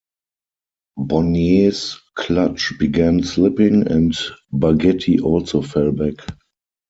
Bonnier's clutch began slipping and Baghetti also fell back.